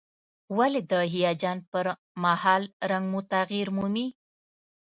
ولې د هیجان پر مهال رنګ مو تغییر مومي؟